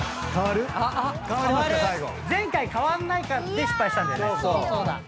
前回換わんないかで失敗したんだよね。